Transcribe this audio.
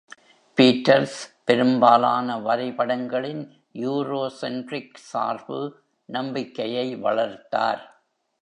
Peter's பெரும்பாலான வரைபடங்களின் Eurocentric சார்பு நம்பிக்கையை வளர்த்தார்.